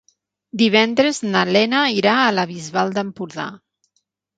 Divendres na Lena irà a la Bisbal d'Empordà.